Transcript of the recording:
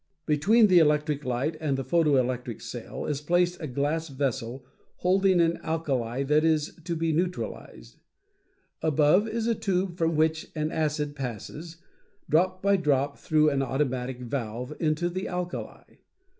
"Between the electric light and the photo electric cell is placed a glass vessel holding an alkali that is to be neutralized. Above is a tube from which an acid passes, drop by drop, through an automatic valve, into the alkali.